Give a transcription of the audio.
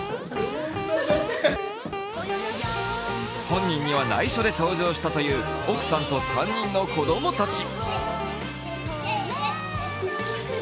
本人には内緒で登場したという奥さんと３人の子供たち。